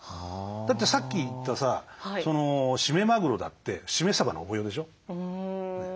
だってさっき言ったしめマグロだってしめサバの応用でしょう。